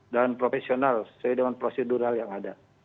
dan profesional sesuai dengan prosedural yang ada